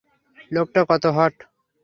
লোকটা কত হট!